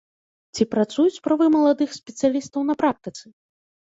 Ці працуюць правы маладых спецыялістаў на практыцы?